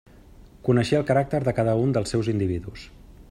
Coneixia el caràcter de cada un dels seus individus.